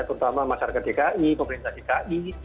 terutama masyarakat dki pemerintah dki